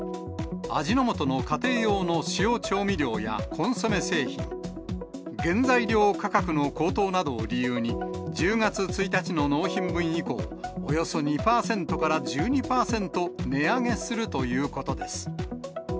味の素の家庭用塩調味料やコンソメ製品、原材料価格の高騰などを理由に、１０月１日の納品分以降、およそ２％から１２％値上げするということです。